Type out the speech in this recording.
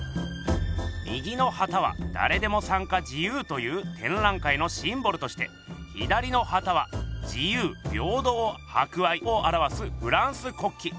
右の旗はだれでも参加自由というてんらい会のシンボルとして左の旗は自由平等博愛をあらわすフランス国旗。